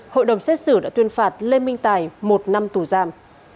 hội đồng xét xử đã tuyên phạt lê minh tài một năm tù giam